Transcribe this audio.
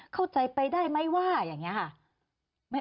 เข้าใจไปได้ไหมว่าอย่างนี้ค่ะ